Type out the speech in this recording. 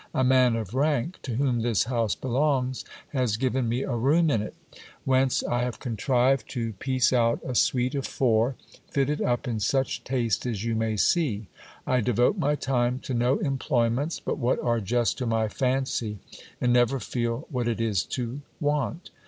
A man of rank, to whom this louse belongs, has given me a room in it, whence I have contrived to piece out 1 suite of four, fitted up in such taste as you may see. I devote my time to no ;mployments but what are just to my fancy, and never feel what it' is to want.